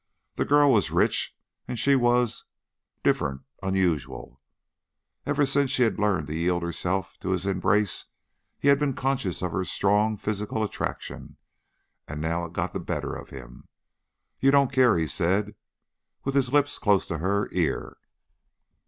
The girl was rich and she was different, unusual. Ever since she had learned to yield herself to his embrace, he had been conscious of her strong physical attraction, and now it got the better of him. "You don't care?" he said, with his lips close to her ear.